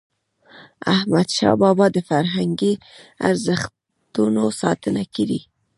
احمدشاه بابا د فرهنګي ارزښتونو ساتنه کړی.